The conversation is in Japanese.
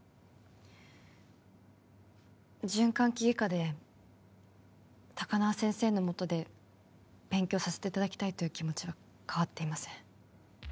循環器外科で高輪先生のもとで勉強させていただきたいという気持ちは変わっていません